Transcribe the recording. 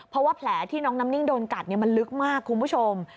เพราะว่าแผลที่น้องน้ำนิ่งโดนกัดมันลึกมากคุณผู้ชม